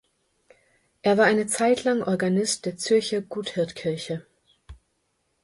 Er war eine Zeit lang Organist der Zürcher Guthirt-Kirche.